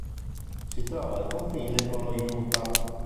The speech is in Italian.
Si trova al confine con lo Utah.